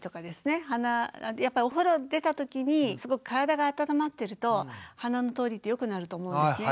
やっぱりお風呂を出たときにすごく体が温まってると鼻の通りって良くなると思うんですね。